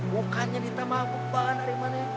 bukannya kita mabuk banget ariman ya